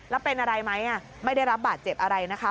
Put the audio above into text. แล้วเป็นอะไรไหมไม่ได้รับบาดเจ็บอะไรนะคะ